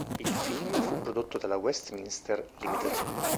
Il film fu prodotto dalla Westminster Ltd.